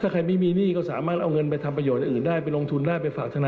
ถ้าใครไม่ชอบก็ใช้แนวทางเดิมได้นะฮะไปฟังเสียงทางนายกรัฐมนตรีกันครับ